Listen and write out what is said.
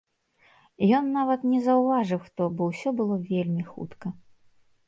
Ён нават не заўважыў хто, бо ўсё было вельмі хутка.